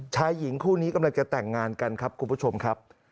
ชายหญิงคู่นี้กำลังจะแต่งงานกันครับคุณผู้ชมครับ